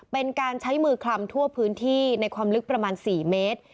เป็นการใช้มือคลำทั่วพื้นที่ในความลึกประมาณ๔เมตร